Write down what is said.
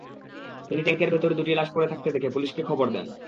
তিনি ট্যাংকের ভেতরে দুটি লাশ পড়ে থাকতে দেখে পুলিশকে খবর দেন।